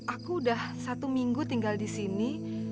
aku sudah satu minggu tinggal disini